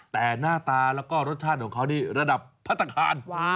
แต่หน้าตาแล้วก็รสชาติของเขานี่ระดับพัฒนาคาร